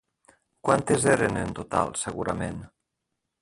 Quantes eren en total, segurament?